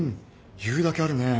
言うだけあるね。